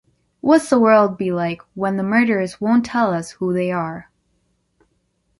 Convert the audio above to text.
What’s the world be like when the murderers won’t tell us who they are?